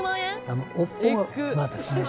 尾っぽがですね